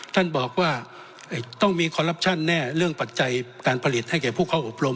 ท่านบอกว่าต้องมีคอลลับชั่นแน่เรื่องปัจจัยการผลิตให้แก่ผู้เข้าอบรม